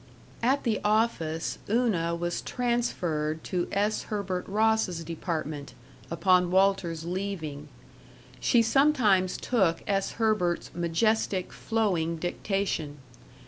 At the office Una was transferred to S. Herbert Ross's department, upon Walter's leaving. She sometimes took S. Herbert's majestic, flowing dictation.